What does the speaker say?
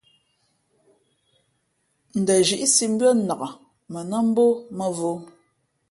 N ndαzhíʼsī mbʉ́ά nǎk mα nά mbō mᾱvǒ.